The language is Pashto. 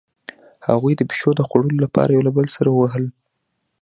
هغوی د پیشو د خوړلو لپاره یو بل سره وهل